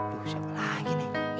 duh siapa lagi nih